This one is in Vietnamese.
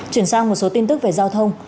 chuyển sang một số tin tức về giao thông